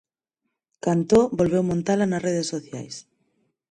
Cantó volveu montala nas redes sociais.